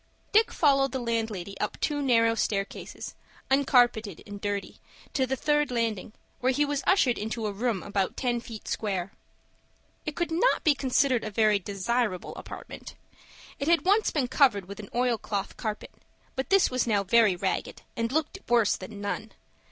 Dick followed the landlady up two narrow stair cases, uncarpeted and dirty, to the third landing, where he was ushered into a room about ten feet square. It could not be considered a very desirable apartment. It had once been covered with an oilcloth carpet, but this was now very ragged, and looked worse than none.